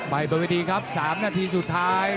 ไปประวัติครับ๓นาทีสุดท้าย